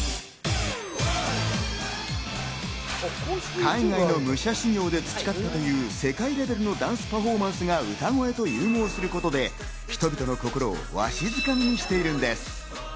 海外の武者修行で培ったという世界レベルのダンスパフォーマンスや歌声と融合することで人々の心をわしづかみにしているのです。